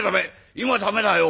今駄目だよ。